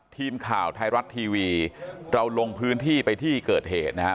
ทีมข่าวไทยรัฐทีวีเราลงพื้นที่ไปที่เกิดเหตุนะฮะ